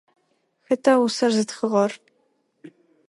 Хэта усэр зытхыгъэр?